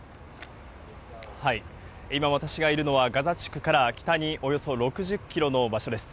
今、私がいるのは、ガザ地区から北におよそ６０キロの場所です。